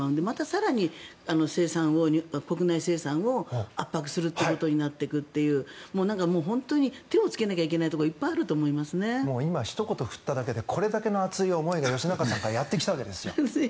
更に国内生産を圧迫するということになっていくというなんか本当に手をつけなきゃいけないことが今、ひと言振っただけでこれだけの熱い思いが吉永さんからやってきたわけですよ。